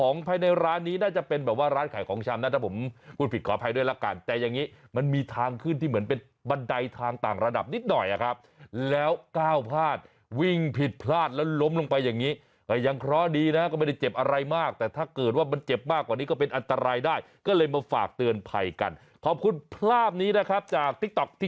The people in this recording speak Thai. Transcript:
ภายในร้านนี้น่าจะเป็นแบบว่าร้านขายของชำนะถ้าผมพูดผิดขออภัยด้วยละกันแต่อย่างนี้มันมีทางขึ้นที่เหมือนเป็นบันไดทางต่างระดับนิดหน่อยอะครับแล้วก้าวพลาดวิ่งผิดพลาดแล้วล้มลงไปอย่างนี้ก็ยังเคราะห์ดีนะก็ไม่ได้เจ็บอะไรมากแต่ถ้าเกิดว่ามันเจ็บมากกว่านี้ก็เป็นอันตรายได้ก็เลยมาฝากเตือนภัยกันขอบคุณภาพนี้นะครับจากติ๊กต๊อกที่